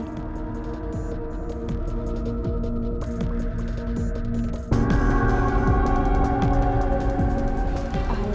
jangan sampai lupa lagi